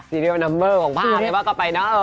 ซีเรียลนัมเบอร์ของผ้าเลยว่าก็ไปนะ